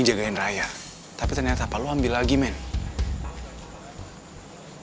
lo jangan pernah anggap gue jadi musuh lo